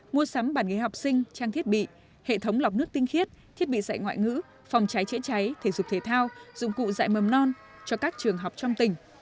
mua sắm bản ý học sinh trang thiết bị hệ thống lọc nước tinh khiết thiết bị dạy ngoại ngữ phòng cháy chữa cháy thể dục thể thao dụng cụ dạy mầm non cho các trường học trong tỉnh